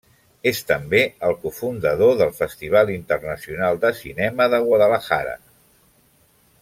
És també el cofundador del Festival Internacional de cinema de Guadalajara.